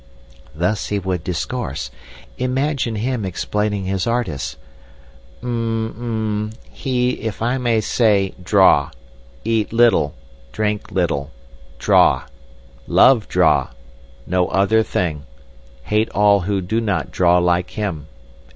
"Thus he would discourse. Imagine him explaining his artist. "'M'm—M'm—he—if I may say—draw. Eat little—drink little—draw. Love draw. No other thing. Hate all who not draw like him.